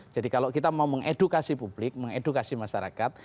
jadi kalau kita mau mengedukasi publik mengedukasi masyarakat